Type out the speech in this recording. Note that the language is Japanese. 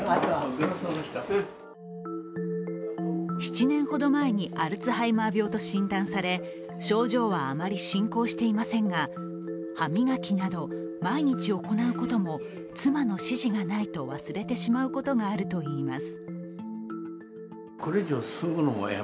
７年ほど前にアルツハイマー病と診断され症状はあまり進行していませんが歯磨きなど、毎日行うことも妻の指示がないと忘れてしまうことがあるといいます。